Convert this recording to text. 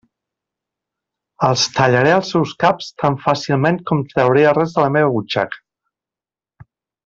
Els tallaré els seus caps tan fàcilment com trauria res de la meva butxaca!